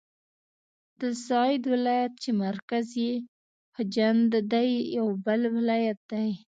د سغد ولایت چې مرکز یې خجند دی یو بل ولایت دی.